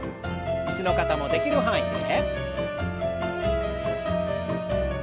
椅子の方もできる範囲で。